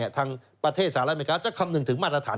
ทางประเทศสหรัฐอเมริกาจะคำนึงถึงมาตรฐาน